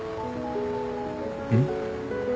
うん？